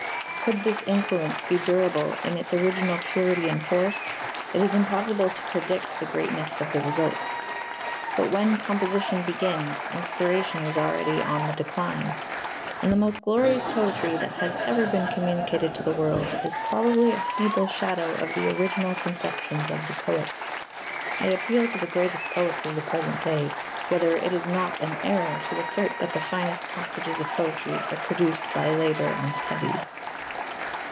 Could this influence be durable in its original purity and force, it is impossible to predict the greatness of the results; but when composition begins, inspiration is already on the decline, and the most glorious poetry that has ever been communicated to the world is probably a feeble shadow of the original conceptions of the poet. I appeal to the greatest poets of the present day, whether it is not an error to assert that the finest passages of poetry are produced by labour and study.